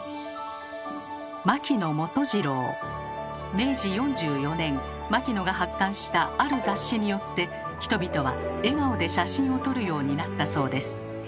明治４４年牧野が発刊したある雑誌によって人々は笑顔で写真を撮るようになったそうです。